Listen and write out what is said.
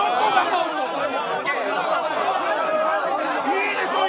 いいでしょう。